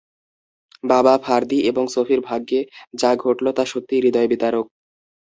বাবা, ফার্দি এবং সোফির ভাগ্যে যা ঘটল তা সত্যিই হৃদয়বিদারক।